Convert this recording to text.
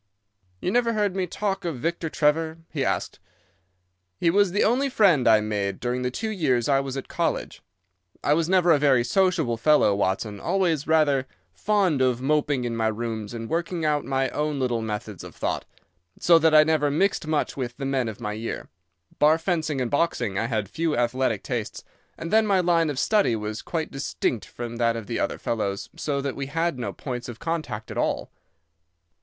"You never heard me talk of Victor Trevor?" he asked. "He was the only friend I made during the two years I was at college. I was never a very sociable fellow, Watson, always rather fond of moping in my rooms and working out my own little methods of thought, so that I never mixed much with the men of my year. Bar fencing and boxing I had few athletic tastes, and then my line of study was quite distinct from that of the other fellows, so that we had no points of contact at all.